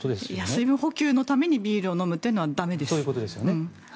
水分補給のためにビールを飲むというのは駄目です。